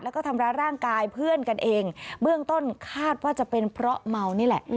แล้วก็ทำร้ายร่างกายเพื่อนกันเองเบื้องต้นคาดว่าจะเป็นเพราะเมานี่แหละ